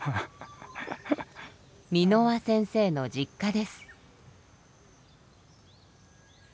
蓑輪先生の実家です。